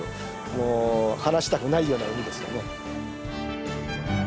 もう離したくないような海ですかね。